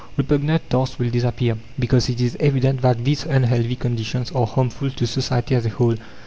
Repugnant tasks will disappear, because it is evident that these unhealthy conditions are harmful to society as a whole.